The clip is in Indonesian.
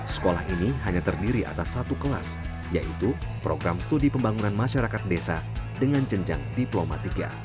sekolah ini hanya terdiri atas satu kelas yaitu program studi pembangunan masyarakat desa dengan jenjang diploma tiga